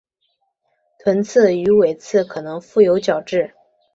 臀刺与尾刺可能覆有角质。